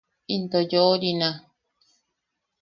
Into yo’orina.